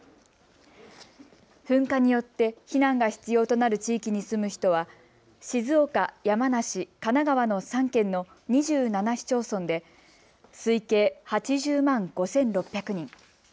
噴火によって避難が必要となる地域に住む人は静岡、山梨、神奈川の３県の２７市町村で推計８０万５６００人。